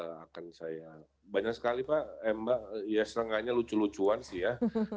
yang akan saya banyak sekali pak ya setengahnya lucu lucuan sih ya